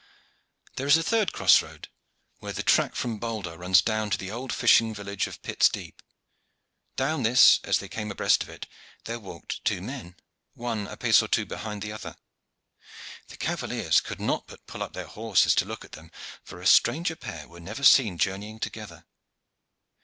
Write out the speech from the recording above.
There is a third cross road where the track from Boldre runs down to the old fishing village of Pitt's Deep. Down this, as they came abreast of it, there walked two men, the one a pace or two behind the other. The cavaliers could not but pull up their horses to look at them, for a stranger pair were never seen journeying together.